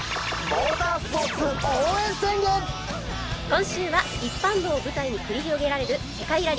今週は一般道を舞台に繰り広げられる世界ラリー。